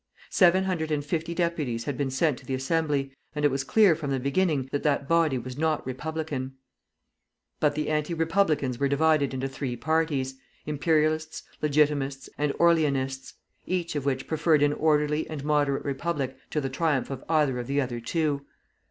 Seven hundred and fifty deputies had been sent to the Assembly, and it was clear from the beginning that that body was not Republican. But the Anti Republicans were divided into three parties, Imperialists, Legitimists, and Orleanists, each of which preferred an orderly and moderate republic to the triumph of either of the other two.